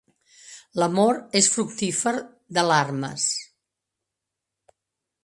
L'amor és fructífer d'alarmes